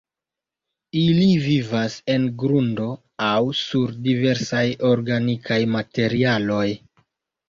Ili vivas en grundo aŭ sur diversaj organikaj materialoj.